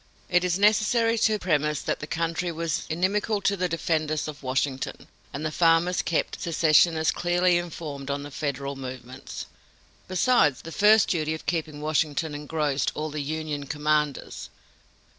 It is necessary to premise that the country was inimical to the defenders of Washington, and the farmers kept the secessionists clearly informed on the Federal movements. Besides, the first duty of keeping Washington engrossed all the Union commanders.